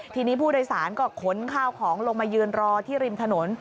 ทีนี้ผู้โดยสารก็ขนข้าวของลงมายืนรอที่ริมถนน